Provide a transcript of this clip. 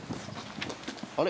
あれ？